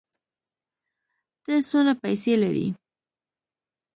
ته څونه پېسې لرې؟